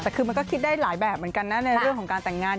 แต่คือมันก็คิดได้หลายแบบเหมือนกันนะในเรื่องของการแต่งงาน